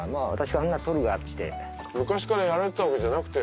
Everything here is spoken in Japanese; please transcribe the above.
昔からやられてたわけじゃなくて。